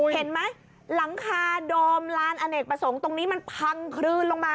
เห็นไหมหลังคาดอมลานอเนกประสงค์ตรงนี้มันพังคลืนลงมา